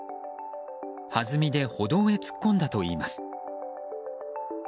はずみで歩道へ突っ込んだといいます。